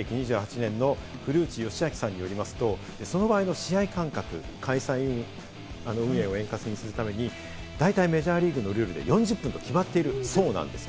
メジャー取材歴２８年の古内義明さんによりますと、その場合の試合間隔、開催運営を円滑にするために大体メジャーリーグのルール、４０分と決まっているそうなんですね。